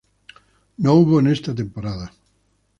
No hubo en esta temporada.